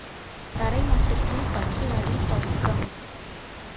தரை மட்டத்தில் பத்து அடிச் சவுக்கம்.